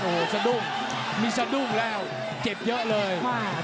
โอ้โหสะดุ้งมีสะดุ้งแล้วเจ็บเยอะเลย